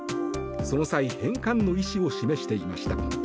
その際、返還の意思を示していました。